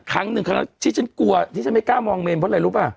ครั้งหนึ่งครั้งที่ฉันกลัวที่ฉันไม่กล้ามองเมนเพราะอะไรรู้ป่ะ